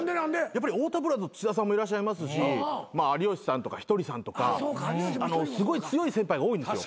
やっぱり太田プロだと土田さんもいらっしゃいますし有吉さんとかひとりさんとかすごい強い先輩が多いんですよ。